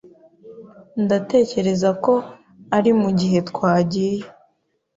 Ndatekereza ko ari mugihe twagiye.